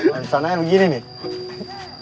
dan sana yang begini nih